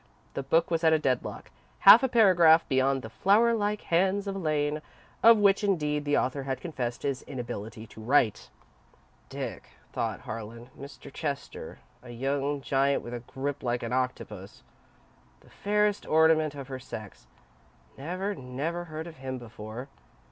The book was at a deadlock, half a paragraph beyond "the flower like hands of Elaine," of which, indeed, the author had confessed his inability to write. "Dick," thought Harlan. "Mr. Chester. A young giant with a grip like an octopus. 'The fairest ornament of her sex.' Never, never heard of him before.